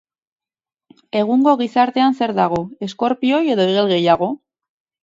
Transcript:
Egungo gizartean zer dago, eskorpioi edo igel gehiago?